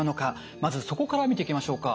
まずそこから見ていきましょうか。